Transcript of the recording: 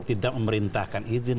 tidak memerintahkan izin